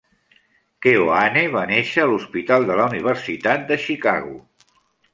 Keohane va néixer a l'Hospital de la Universitat de Chicago.